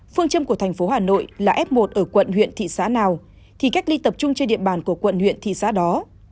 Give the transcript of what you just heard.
phương châm của thành phố hà nội là f một ở quận huyện thị xã nào thì cách ly tập trung trên địa bàn của quận huyện thị xã đó